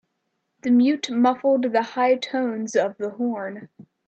The mute muffled the high tones of the horn.